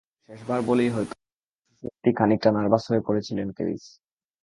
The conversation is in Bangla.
কিন্তু শেষবার বলেই হয়তো পরশু সত্যি খানিকটা নার্ভাস হয়ে পড়েছিলেন ক্যালিস।